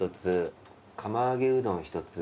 釜揚げうどん１つ。